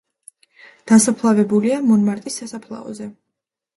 დასაფლავებულია მონმარტრის სასაფლაოზე.